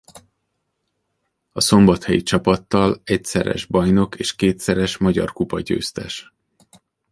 A szombathelyi csapattal egyszeres bajnok és kétszeres magyar kupa győztes.